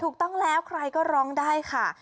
ถูกต้องแล้วใครก็ร้องได้ค่ะ